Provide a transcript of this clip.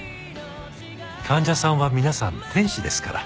患者さんは皆さん天使ですから。